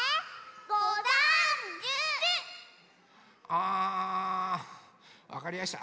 あわかりやした。